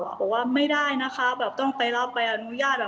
เพราะว่าไม่ได้นะคะต้องไปรับใบอนุญาต